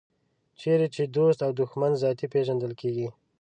چېرې چې دوست او دښمن ذاتي پېژندل کېږي.